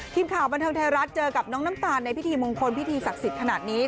ทีมข่าวบันเทิงไทยรัฐเจอกับน้องน้ำตาลในพิธีมงคลพิธีศักดิ์สิทธิ์ขนาดนี้